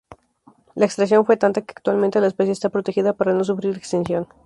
La extracción fue tanta que actualmente la especie está protegida para no sufrir extinción.